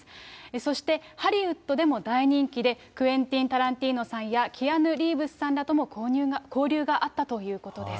そして、ハリウッドでも大人気で、クエンティン・タランティーノさんやキアヌ・リーブスさんとも交流があったということです。